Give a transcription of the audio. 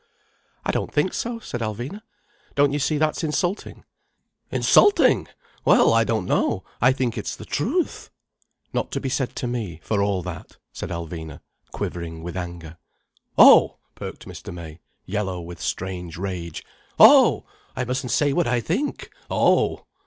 "I don't think so," said Alvina. "Don't you see that's insulting." "Insulting! Well, I don't know. I think it's the truth—" "Not to be said to me, for all that," said Alvina, quivering with anger. "Oh!" perked Mr. May, yellow with strange rage. "Oh! I mustn't say what I think! Oh!"